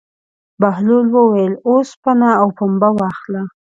بهلول وویل: اوسپنه او پنبه واخله.